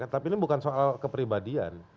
tapi ini bukan soal kepribadian